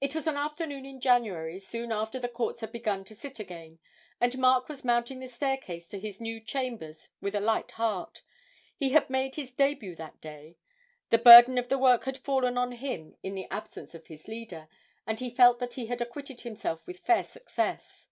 It was an afternoon in January, soon after the courts had begun to sit again, and Mark was mounting the staircase to his new chambers with a light heart he had made his début that day; the burden of the work had fallen on him in the absence of his leader, and he felt that he had acquitted himself with fair success.